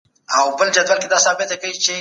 ښه فکر کول تاسو له هر اړخه خوشحاله ساتي.